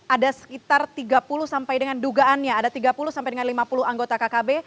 ada sekitar tiga puluh sampai dengan dugaannya ada tiga puluh sampai dengan lima puluh anggota kkb